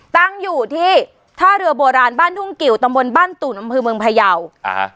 ตั้งอยู่ที่ท่าเรือโบราณบ้านทุ่งกิวตำบลบ้านตุ่นอำเภอเมืองพยาวอ่าฮะ